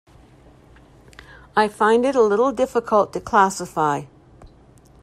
I find it a little difficult to classify.